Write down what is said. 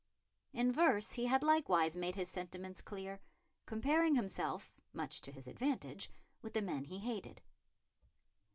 In verse he had likewise made his sentiments clear, comparing himself, much to his advantage, with the men he hated.